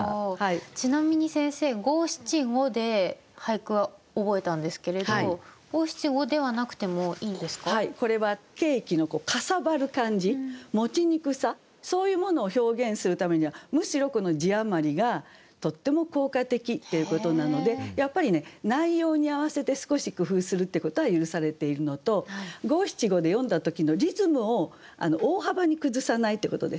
ちなみに先生五七五で俳句は覚えたんですけれど五七五ではなくてもいいんですか？これはケーキのかさばる感じ持ちにくさそういうものを表現するためにはむしろこの字余りがとっても効果的っていうことなのでやっぱりね内容に合わせて少し工夫するってことは許されているのと五七五で読んだ時のリズムを大幅に崩さないってことですね。